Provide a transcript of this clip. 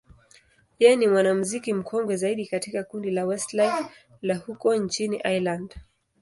yeye ni mwanamuziki mkongwe zaidi katika kundi la Westlife la huko nchini Ireland.